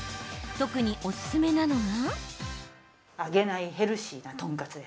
特におすすめなのが。